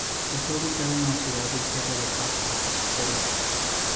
Está ubicada en la Ciudad de Cerro de Pasco, Perú.